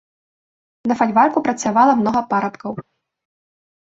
На фальварку працавала многа парабкаў.